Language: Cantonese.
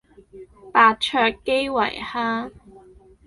白灼基圍蝦